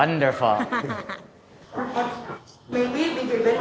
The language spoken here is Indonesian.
pengetahuan dan trik